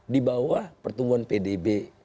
di bawah pertumbuhan pdb